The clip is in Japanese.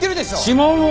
指紋を。